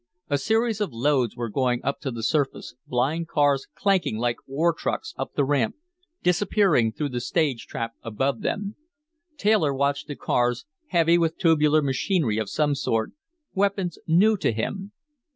A series of loads were going up to the surface, blind cars clanking like ore trucks up the ramp, disappearing through the stage trap above them. Taylor watched the cars, heavy with tubular machinery of some sort, weapons new to him.